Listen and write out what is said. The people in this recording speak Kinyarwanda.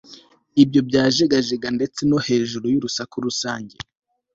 Ibyo byajegajega ndetse no hejuru yurusaku rusange